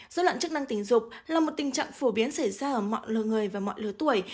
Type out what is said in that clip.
dối loạn chức năng tình dục là một tình trạng phổ biến xảy ra ở mọi lơ người và mọi lứa tuổi